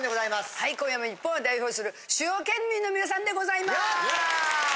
はい今夜も日本を代表する主要県民の皆さんでございます。